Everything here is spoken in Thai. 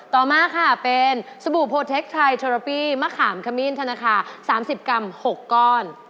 ต่อมาค่ะเป็นสบู่โพเทคไทยโรปี้มะขามขมิ้นธนาคาร๓๐กรัม๖ก้อน